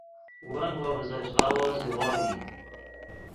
ون وو ڤزوش غاوو زیغو ڤی